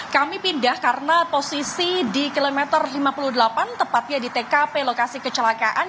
kami pindah karena posisi di kilometer lima puluh delapan tepatnya di tkp lokasi kecelakaan